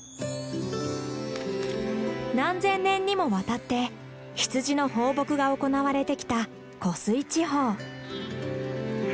何千年にもわたって羊の放牧が行われてきた湖水地方。